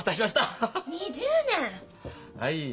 はい。